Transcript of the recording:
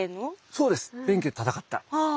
そうです弁慶と戦った。